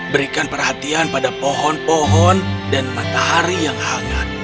berikan perhatian pada pohon pohon dan matahari yang hangat